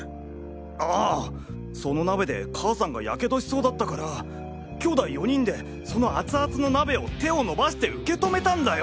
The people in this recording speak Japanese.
あぁその鍋で母さんが火傷しそうだったから兄弟４人でその熱々の鍋を手を伸ばして受け止めたんだよ！